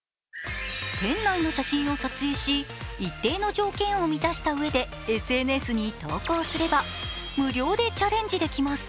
店内の写真を撮影し一定の条件を満たしたうえでＳＮＳに投稿すれば無料でチャレンジできます。